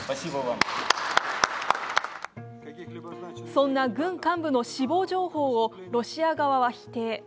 そんな軍幹部の死亡情報をロシア側は否定。